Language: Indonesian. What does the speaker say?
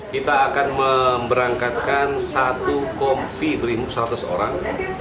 kita akan memberangkatkan satu kompi brimop seratus orang